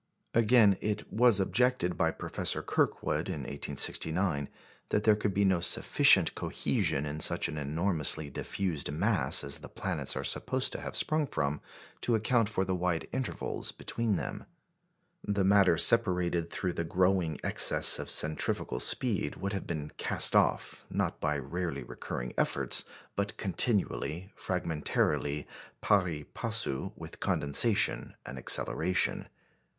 Again, it was objected by Professor Kirkwood in 1869 that there could be no sufficient cohesion in such an enormously diffused mass as the planets are supposed to have sprung from to account for the wide intervals between them. The matter separated through the growing excess of centrifugal speed would have been cast off, not by rarely recurring efforts, but continually, fragmentarily, pari passu with condensation and acceleration.